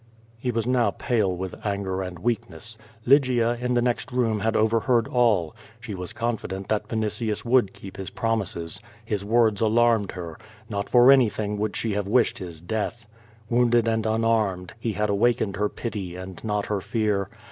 He was now pale with anger and weakness. Lygia in the next room had overheard all. She was confident that Vini tius would keep his promises. His words alarmed her. Not for anything would she have wished his death. Wounded and unarmed, he had awakened her pity and not her fear.